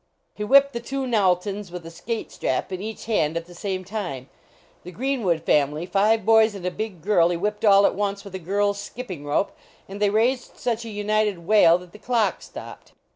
He whipped the two Knowltons with a skate strap in each hand at the same time ; the Greenwood family, five boys and a big girl, he whipped all at once with a girl s skipping rope, and they raised such a united wail that the clock stopped.